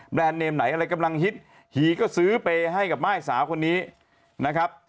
เนมไหนอะไรกำลังฮิตหีก็ซื้อไปให้กับม่ายสาวคนนี้นะครับ